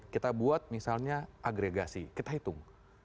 kita buat misalnya agregasi kita hitung